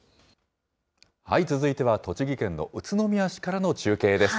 続いては栃木県の宇都宮市からの中継です。